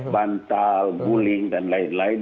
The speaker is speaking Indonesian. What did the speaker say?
bantal guling dan lain lain